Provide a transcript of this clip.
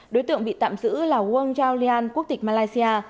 đối tượng bị tạm giữ là wong chao lian quốc tịch malaysia